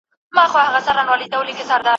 ما یي پر غاړه آتڼونه غوښتل